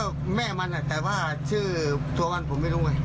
ก็แม่มันแต่ว่าชื่อตัวมันผมไม่รู้ไง